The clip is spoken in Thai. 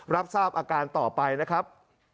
รับทราบอาการต่อไปนะครับ